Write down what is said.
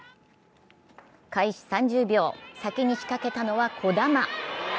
開始３０秒、先に仕掛けたのは児玉。